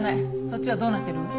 そっちはどうなってるの？